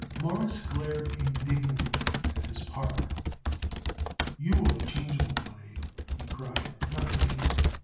Morris glared indignantly at his partner. "You are the changeable one, Abe," he cried, "not me.